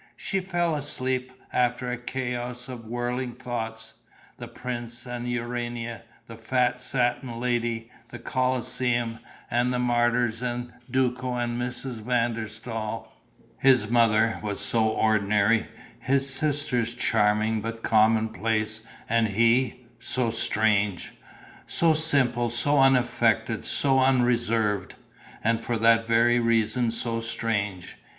She fell asleep after a chaos of whirling thoughts: the prince and Urania, the fat satin lady, the Colosseum and the martyrs and Duco and Mrs. van der Staal. His mother was so ordinary, his sisters charming but commonplace and he ... so strange! So simple, so unaffected, so unreserved; and for that very reason so strange.